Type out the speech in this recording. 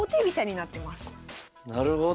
なるほど！